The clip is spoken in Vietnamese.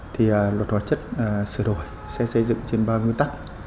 thì luật hóa chất sửa đổi sẽ xây dựng trên ba nguyên tắc